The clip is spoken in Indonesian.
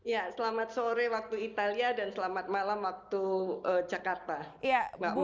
ya selamat sore waktu italia dan selamat malam waktu jakarta